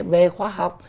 về khoa học